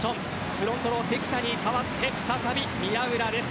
フロントの関田に代わって再び宮浦です。